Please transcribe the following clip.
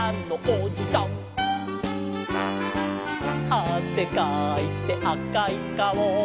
「あせかいてあかいかお」